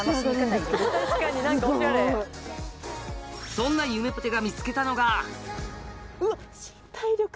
そんなゆめぽてが見つけたのがうわっ！